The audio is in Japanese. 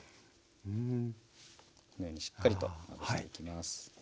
このようにしっかりとまぶしていきます。